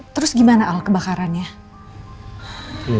terus gimana al kebakarannya